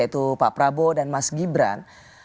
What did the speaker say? yaitu pak prabowo dan mas gibran